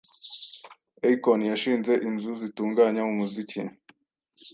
Akon yashinze inzu zitunganya umuziki